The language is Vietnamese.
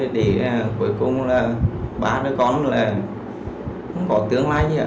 để cuối cùng là ba đứa con là không có tương lai